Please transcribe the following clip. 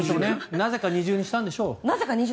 なぜか二重にしたんでしょう。